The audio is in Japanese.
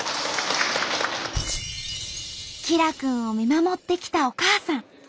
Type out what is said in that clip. きらくんを見守ってきたお母さん。